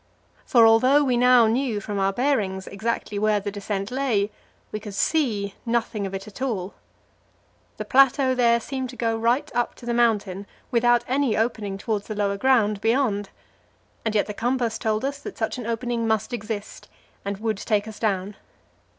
For although we now knew, from our bearings, exactly where the descent lay, we could see nothing of it at all. The plateau there seemed to go right up to the mountain, without any opening towards the lower ground beyond; and yet the compass told us that such an opening must exist, and would take us down.